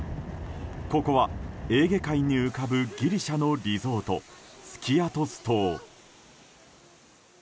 ここはエーゲ海に浮かぶギリシャのリゾートスキアトス島。